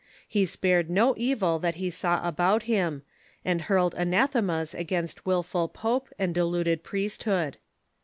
He spared no evil that he saw about him, and hurled anathemas against wil ful pope and deluded priesthood.